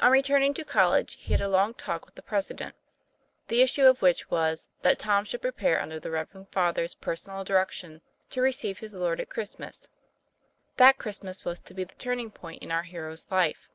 On returning to college, he had a long talk with the President, the issue of which was, that Ton. should prepare under the reverend Father's personal direction to receive his Lord at Christmas. That Christmas was to be the turning point in our hero's life.